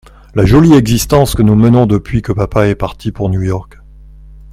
La jolie existence que nous menons depuis que papa est parti pour New-York !